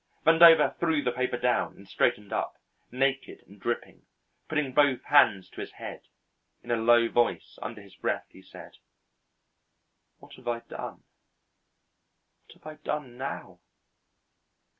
Vandover threw the paper down and straightened up, naked and dripping, putting both hands to his head. In a low voice under his breath he said: "What have I done? What have I done now?"